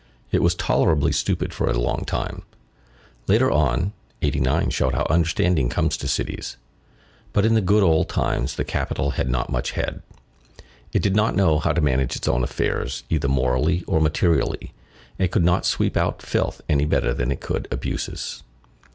It was tolerably stupid for a long time. Later on, '89 showed how understanding comes to cities. But in the good, old times, the capital had not much head. It did not know how to manage its own affairs either morally or materially, and could not sweep out filth any better than it could abuses.